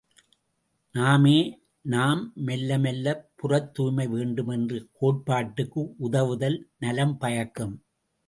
நாமே நாம் மெல்ல மெல்லப் புறத்தூய்மை வேண்டும் என்ற கோட்பாட்டுக்கு உதவுவதல் நலம் பயக்கும்.